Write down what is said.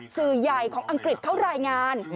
สื่อใหญ่ของอังกฤษเขารายงาน